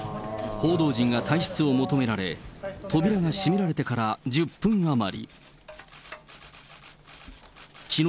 報道陣が退室を求められ、扉が閉められてから１０分余り。